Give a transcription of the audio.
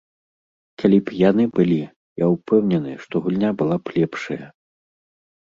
Калі б яны былі, я ўпэўнены, што гульня была б лепшая.